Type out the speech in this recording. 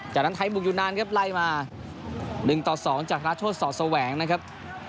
จากนั้นไทยบุกอยู่นานครับไล่มา๑ต่อ๒จากธนาโชธสอดแสวงนะครับ